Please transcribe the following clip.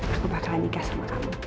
aku bakal nikah sama kamu